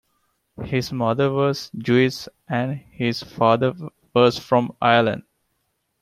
His mother was Jewish and his father was from Ireland.